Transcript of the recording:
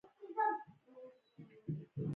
افغانستان تر هغو نه ابادیږي، ترڅو نیتونه سپیڅلي نشي.